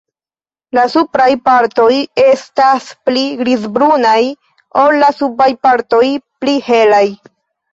La supraj partoj estas pli grizbrunaj ol la subaj partoj pli helaj.